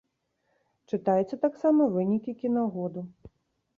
Чытайце таксама вынікі кінагоду.